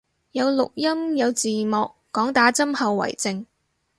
有錄音有字幕，講打針後遺症